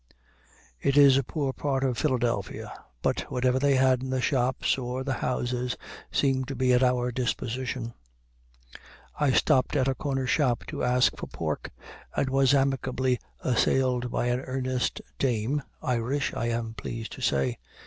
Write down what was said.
It is a poor part of Philadelphia; but whatever they had in the shops or the houses seemed to be at our disposition. I stopped at a corner shop to ask for pork, and was amicably assailed by an earnest dame, Irish, I am pleased to say.